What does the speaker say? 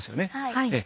はい。